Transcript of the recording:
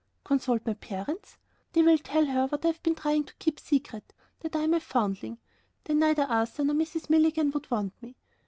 Consult my parents! They will tell her what I have been trying to keep secret. That I am a foundling! Then neither Arthur nor Mrs. Milligan would want me!